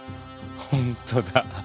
本当だ。